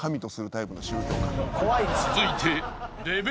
［続いて］